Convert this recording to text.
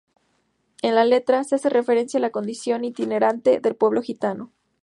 En la letra, se hace referencia a la condición itinerante del pueblo gitano.